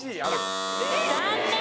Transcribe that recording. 残念。